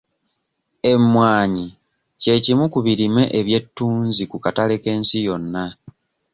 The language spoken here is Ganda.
Emmwanyi kye kimu ku birime eby'ettunzi ku katale k'ensi yonna.